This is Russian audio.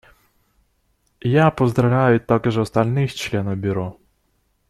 Я поздравляю также остальных членов Бюро.